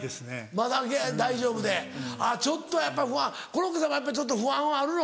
まだ大丈夫であっちょっとやっぱり不安コロッケさんはやっぱちょっと不安はあるの？